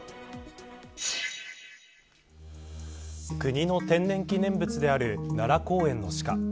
国の天然記念物である奈良公園のシカ。